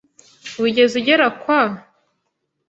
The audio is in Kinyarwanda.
Wigeze ugera kwa ?